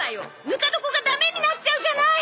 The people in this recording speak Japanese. ぬか床が駄目になっちゃうじゃない！